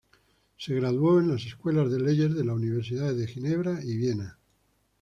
Se graduó en las escuelas de leyes de las universidades de Ginebra y Viena.